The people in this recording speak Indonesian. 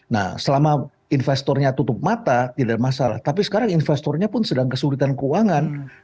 nah selama investornya tutup mata tidak ada masalah tapi sekarang investornya pun sedang kesulitan keuangan